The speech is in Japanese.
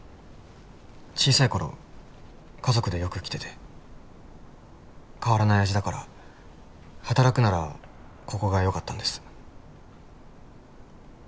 小さい頃家族でよく来てて変わらない味だから働くならここがよかったんです